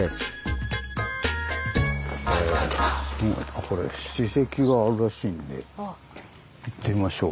あこれ史跡があるらしいんで行ってみましょう。